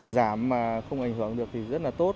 giảm mà không ảnh hưởng được thì rất là tốt